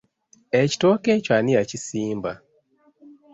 Ekitooke ekyo ani yakisimba?